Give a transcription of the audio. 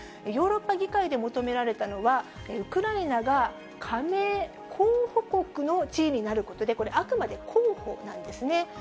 ヨーロッパ議会で求められたのは、ウクライナが、加盟候補国の地位になることで、これ、あくまで候補なんですね。